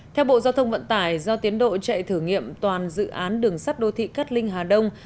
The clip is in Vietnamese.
theo bộ giao thông vận tải do tiến độ chạy thử nghiệm toàn dự án đường sắt đô thị cát linh hà đông